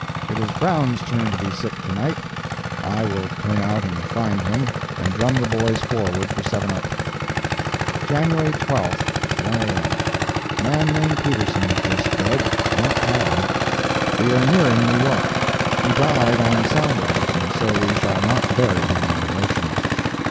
It is Brown's turn to be sick to night; I will turn out and find him, and drum the boys forward for seven up. "JANUARY 12th—1 A.M.—Man named Peterson is just dead—not cholera. We are nearing New York. He died on soundings, and so we shall not bury him in the ocean."